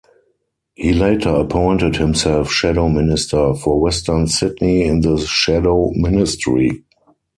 He later appointed himself Shadow Minister for Western Sydney in the Shadow Ministry.